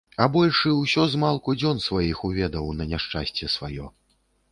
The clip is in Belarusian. А большы ўсё змалку дзён сваіх уведаў, на няшчасце сваё.